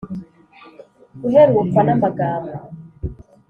guherukwa n amagambo